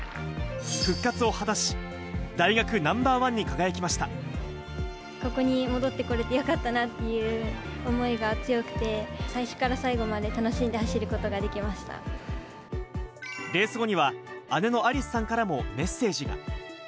復活を果たし、ここに戻ってこれてよかったなという思いが強くて、最初から最後まで楽しんで走ることができレース後には、姉の亜莉珠さんからもメッセージが。